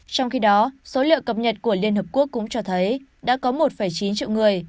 trong khi đó số liệu cập nhật của liên hợp quốc cũng cho thấy đã có một chín triệu người